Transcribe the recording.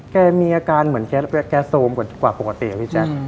แกมีอาการเหมือนแกโซมกว่าปกติอะพี่แจ๊ค